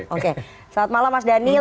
oke selamat malam mas daniel